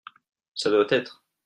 Ça doit être.